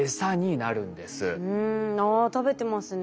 ああ食べてますね。